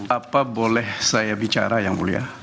apa boleh saya bicara yang mulia